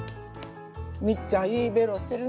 ミッちゃんいいベロしてるね。